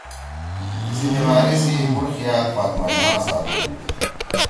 تیِسی بیمأری سی بُوڑ خیال فاطمہ جناح ساتُودُود